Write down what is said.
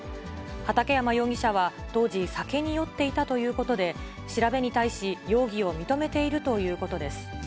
畠山容疑者は、当時酒に酔っていたということで、調べに対し、容疑を認めているということです。